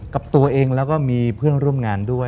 กับตัวเองแล้วก็มีเพื่อนร่วมงานด้วย